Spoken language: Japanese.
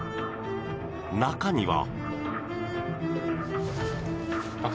中には。